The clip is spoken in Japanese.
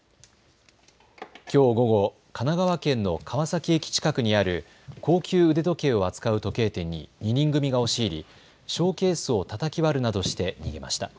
きょう午後、神奈川県の川崎駅近くにある高級腕時計を扱う時計店に２人組が押し入りショーケースをたたき割るなどして逃げました。